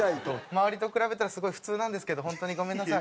周りと比べたらすごい普通なんですけど本当にごめんなさい。